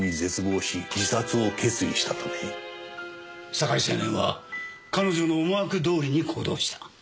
酒井青年は彼女の思惑どおりに行動した。